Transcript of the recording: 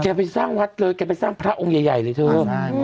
ไปสร้างวัดเลยแกไปสร้างพระองค์ใหญ่เลยเถอะ